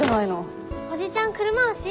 おじちゃん車押し？